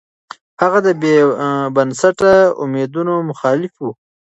هغه د بې بنسټه اميدونو مخالف و.